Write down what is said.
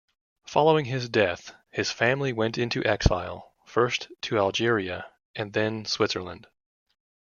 Following his death, his family went into exile, first to Algeria and then Switzerland.